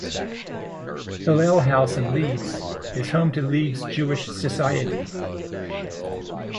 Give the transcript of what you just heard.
Hillel House in Leeds is home to Leeds Jewish Society.